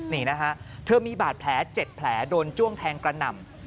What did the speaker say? นี่นะฮะเธอมีบาดแผล๗แผลโดนจ้วงแทงกระหน่ำ